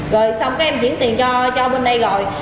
rồi xong cái em chuyển tiền cho bên đây rồi